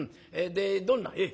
でどんな？」。